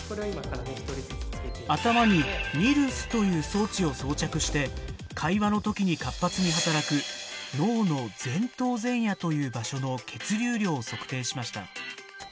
頭にＮＩＲＳという装置を装着して会話の時に活発に働く脳の前頭前野という場所の血流量を測定しました。